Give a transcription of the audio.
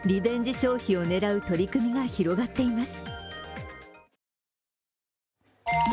消費を狙う取り組みが広がっています。